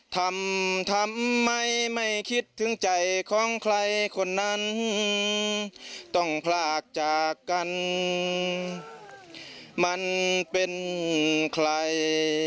ทำทำไมไม่คิดถึงใจของใครคนนั้นต้องพลากจากกันมันเป็นใคร